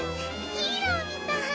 ヒーローみたい。